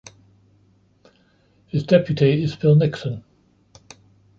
His deputy is Phil Nixon.